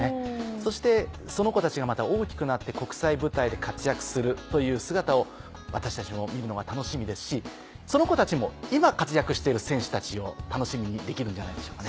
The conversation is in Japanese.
そしてその子たちがまた大きくなって国際舞台で活躍するという姿を私たちも見るのが楽しみですしその子たちも今活躍している選手たちを楽しみにできるんじゃないでしょうか。